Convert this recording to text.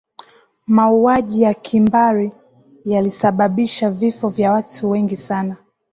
mauaji ya kimbari yalisababisha vifo vya watu wengi sana